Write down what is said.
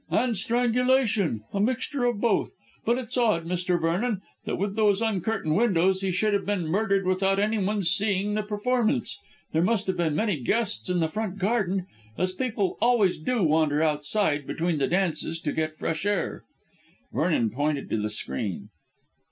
"And strangulation; a mixture of both. But it's odd, Mr. Vernon, that with those uncurtained windows he should have been murdered without anyone seeing the performance. There must have been many guests in the front garden, as people always do wander outside between the dances to get fresh air." Vernon pointed to the screen.